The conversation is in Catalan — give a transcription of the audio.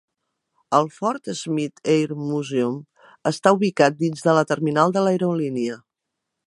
El Fort Smith Air Museum està ubicat dins de la terminal de l'aerolínia.